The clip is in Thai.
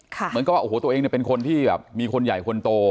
เหมือนกับว่าโอ้โหตัวเองเนี่ยเป็นคนที่แบบมีคนใหญ่คนโต